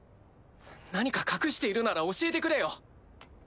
何か隠しているなら教えてくれよ。